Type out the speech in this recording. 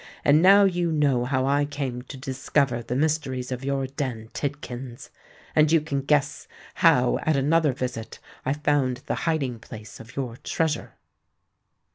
And now you know how I came to discover the mysteries of your den, Tidkins; and you can guess how at another visit I found the hiding place of your treasure."